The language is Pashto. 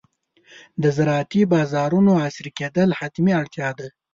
د زراعتي بازارونو عصري کېدل حتمي اړتیا ده.